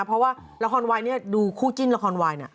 เพราะว่าละครวายเนี่ยดูคู่จิ้นละครวายน่ะ